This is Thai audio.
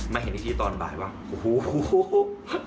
ไม่เห็นอีกทีตอนบ้านว่าโอ้โฮโฮโฮโฮโฮโฮโฮ